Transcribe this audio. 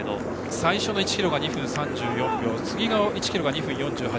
最初の１ｋｍが２分３４秒次の１ｋｍが２分４８。